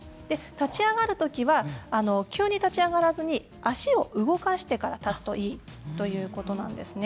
立ち上がる時は急に立ち上がらずに足を動かしてから立つといいということなんですね。